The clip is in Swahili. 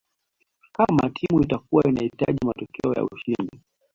Kama timu itakua inahitaji matokeo ya ushindi